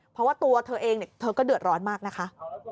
เพราะว่าตัวเธอเองเธอก็เดือดร้อนมากนะคะ